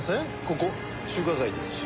ここ中華街ですし。